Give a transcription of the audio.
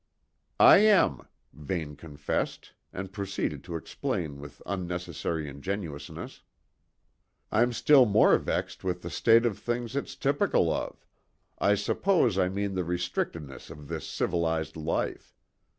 "I am," Vane confessed and proceeded to explain with unnecessary ingenuousness: "I'm still more vexed with the state of things its typical of I suppose I mean the restrictedness of this civilised life.